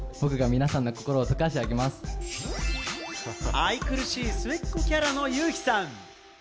愛くるしい末っ子キャラのユウヒさん。